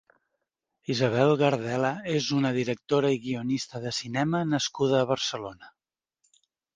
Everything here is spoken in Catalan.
Isabel Gardela és una directora i guionista de cinema nascuda a Barcelona.